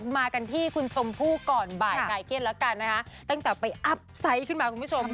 มากันที่คุณชมพู่ก่อนบ่ายคลายเครียดแล้วกันนะคะตั้งแต่ไปอัพไซต์ขึ้นมาคุณผู้ชม